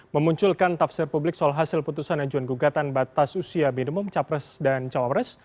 memunculkan tafsir publik soal hasil putusan najuan gugatan batas usia bdm capres dan cawabres